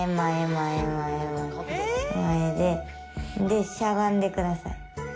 前で、しゃがんでください。